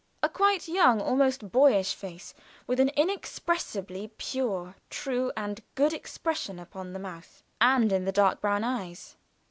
A quite young, almost boyish face, with an inexpressibly pure, true, and good expression upon the mouth and in the dark brown eyes.